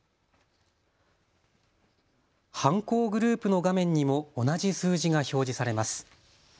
犯行グループの画面にも同じ数字が表示されます。